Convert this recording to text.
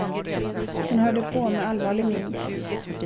Hon hörde på med allvarlig min.